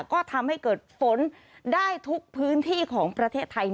ก็ทำให้เกิดฝนได้ทุกพื้นที่ของประเทศไทย